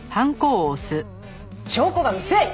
証拠が薄い！